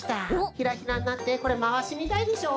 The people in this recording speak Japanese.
ひらひらになってこれまわしみたいでしょ？